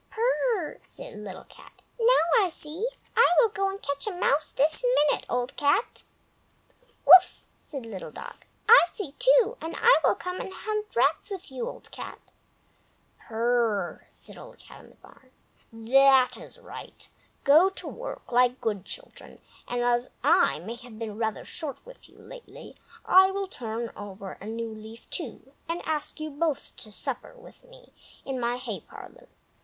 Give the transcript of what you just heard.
"Prrr!" said Little Cat; "now I see. I will go and catch a mouse this minute, Old Cat." "Wuff!" said Little Dog; "I see, too, and I will come and hunt rats with you, Old Cat." "Prrrrrrr!" said Old Cat in the Barn. "That is right! Go to work, like good children, and as I may have been rather short with you lately I will turn over a new leaf, too, and ask you both to supper with me in my hay parlor.